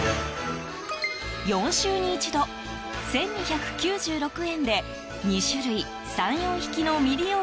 ４週に１度、１２９６円で２種類、３４匹の未利用